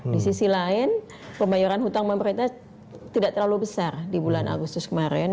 di sisi lain pembayaran hutang pemerintah tidak terlalu besar di bulan agustus kemarin